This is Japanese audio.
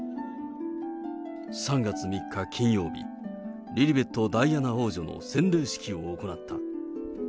３月３日金曜日、リリベット・ダイアナ王女の洗礼式を行った。